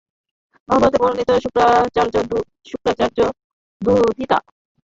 মহাভারতে বণির্ত শুক্রাচার্যদুহিতা দেবযানী এবং শর্মিষ্ঠার কথা মনে পড়িল।